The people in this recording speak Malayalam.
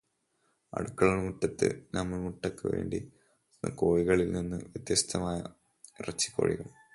അടുക്കള മുറ്റത്തു നമ്മൾ മുട്ടയ്ക്ക് വേണ്ടി വളർത്തുന്ന കോഴികളിൽ നിന്ന് വ്യത്യസ്തമാണ് ഇറച്ചിക്കോഴികൾ.